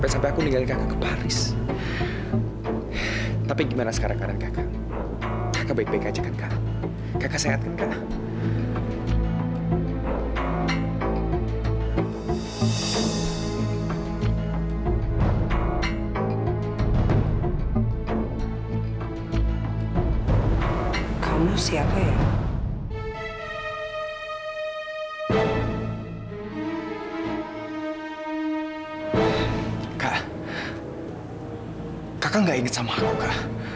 sampai jumpa di video selanjutnya